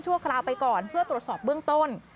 คราวไปก่อนเพื่อตรวจสอบเบื้องต้น